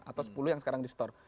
atau sepuluh yang sekarang di store